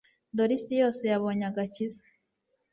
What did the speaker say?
dore isi yose yabonye agakiza